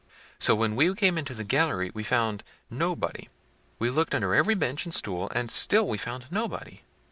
So when we came into the gallery we found nobody. We looked under every bench and stool; and still we found nobody."